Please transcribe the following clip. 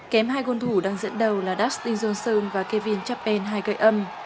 kém hai gôn thủ đang diễn đầu là dustin johnson và kevin chapin hai gậy âm